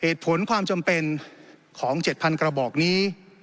เหตุผลความจำเป็นของ๗๐๐กระบอกนี้